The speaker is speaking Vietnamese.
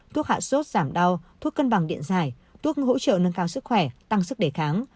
thuốc hạ sốt giảm đau thuốc cân bằng điện giải thuốc hỗ trợ nâng cao sức khỏe tăng sức đề kháng